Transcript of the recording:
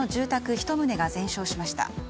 １棟が全焼しました。